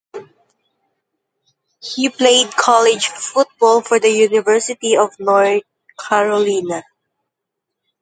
He played college football for the University of North Carolina.